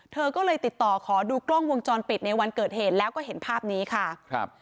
เธอก็เลยติดต่อขอดูกล้องวงจรปิดในวันเกิดเหตุแล้วก็เห็นภาพนี้ค่ะครับ